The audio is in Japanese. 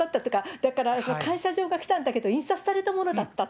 だから感謝状が来たんだけれども、印刷されたものだったと。